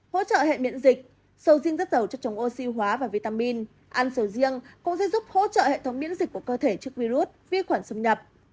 hỗ trợ hệ miễn dịch sầu riêng rất giàu chất chống oxy hóa và vitamin ăn sầu riêng cũng sẽ giúp hỗ trợ hệ thống miễn dịch của cơ thể trước virus vi khuẩn xâm nhập